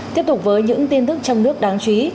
tiếp tục với những tin tức trong nước đáng chú ý